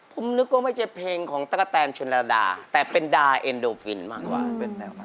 ผมนึกว่าไม่ใช่เพลงของตะกะแตนชนระดาแต่เป็นดาเอ็นโดฟินมากกว่า